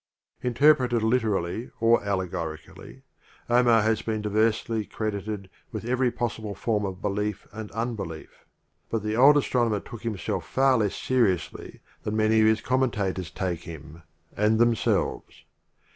Interpreted literally or allegoric ally, Omar has been diversely credited with every possible form of belief and unbe lief; — but the old astronomer took him self far less seriously than many of his commentators take him — and themselves.